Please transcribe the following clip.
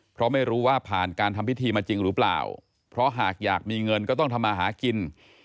เพราะไม่รู้ว่าผ่านการทำพิธีมาจริงหรือเปล่าเพราะหากอยากมีเงินก็ต้องทำมาหากิน